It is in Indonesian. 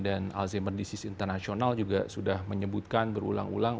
dan alzheimer disease international juga sudah menyebutkan berulang ulang